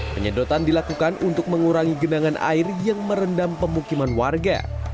penyedotan dilakukan untuk mengurangi genangan air yang merendam pemukiman warga